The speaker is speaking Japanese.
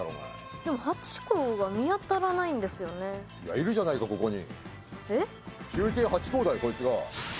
いるじゃないか、ここに。